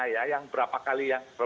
ya yang berapa kali yang